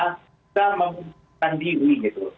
kita membutuhkan diri gitu